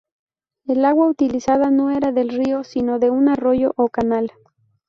El agua utilizada no era del río sino de un arroyo o canal.